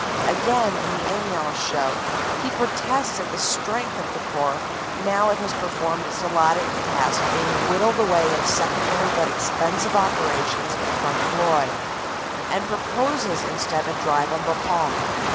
Again, in the Amiens show, he protests at the strength of the Corps now it has performed its allotted task being whittled away in secondary but expensive operations in front of Roye; and proposes instead a drive on Bapaume.